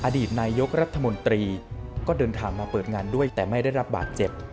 อดีตนายกรัฐมนตรีก็เดินทางมาเปิดงานด้วยแต่ไม่ได้รับบาดเจ็บ